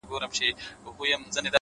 • چي تابه وكړې راته ښې خبري؛